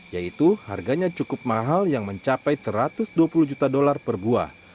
yaitu harganya cukup mahal yang mencapai satu ratus dua puluh juta dolar per buah